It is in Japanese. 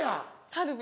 カルビ。